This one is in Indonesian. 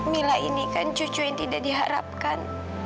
mila ini kan cucu yang tidak diharapkan